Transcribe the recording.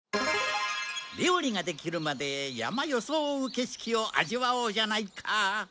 料理ができるまで山粧う景色を味わおうじゃないか。